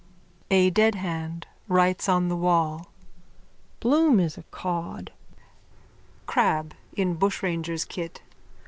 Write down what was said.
_ A DEADHAND: (Writes on the wall.) Bloom is a cod. CRAB: _(In bushranger's kit.)